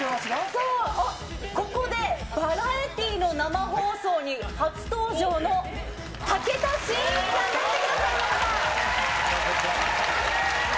そう、ここでバラエティの生放送に初登場の武田真一さんが来てください